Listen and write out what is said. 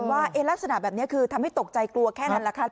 ว่าลักษณะแบบนี้คือทำให้ตกใจกลัวแค่นั้นแหละค่ะ